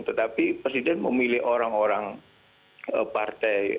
tetapi presiden memilih orang orang partai